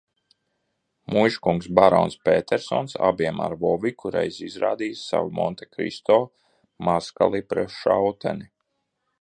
Muižkungs barons Pētersons abiem ar Voviku reiz izrādīja savu Montekristo mazkalibra šauteni.